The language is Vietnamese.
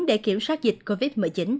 để kiểm soát dịch covid một mươi chín